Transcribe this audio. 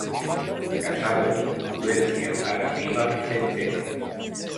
Casado con Prudencia Araníbar Zenteno.